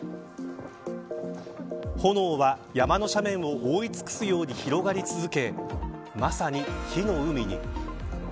炎は山の斜面を覆い尽くすように広がり続けまさに火の海に。